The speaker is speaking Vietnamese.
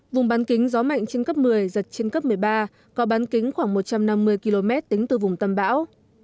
vùng bán kính gió mạnh trên cấp một mươi giật trên cấp một mươi ba có bán kính khoảng một trăm năm mươi km tính từ vùng tâm bão